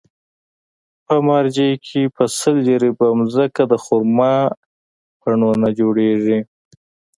په مارجې کې په سل جریبه ځمکه د خرما پڼونه جوړېږي.